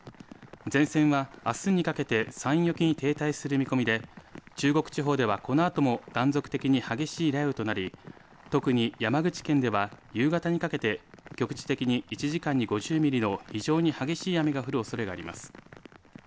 前線はあすにかけて山陰沖に停滞する見込みで中国地方ではこのあとも断続的に激しい雨となり、特に山口県では夕方にかけて局地的に１時間に５０ミリの非常に激しい雨が降るおそれがあります。